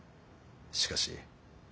しかし。